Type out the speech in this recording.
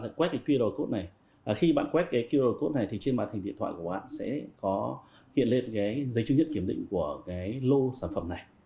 quét cái qr code này khi bạn quét cái qr code này thì trên màn hình điện thoại của bạn sẽ có hiện lên cái giấy chứng nhận kiểm định của cái lô sản phẩm này